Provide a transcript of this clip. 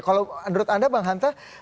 kalau menurut anda bang hanta